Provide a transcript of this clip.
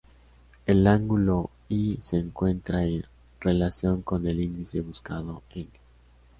El ángulo "i" se encuentra en relación con el índice buscado "n".